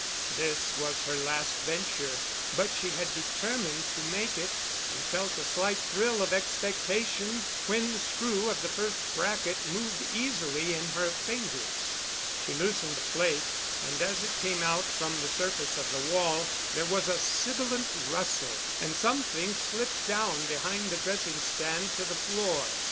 This was her last venture, but she had determined to make it, and felt a slight thrill of expectation when the screw of the first bracket moved easily in her fingers. She loosened the plate and as it came out from the surface of the wall, there was a sibilant rustle and something slipped down behind the dressing stand to the floor.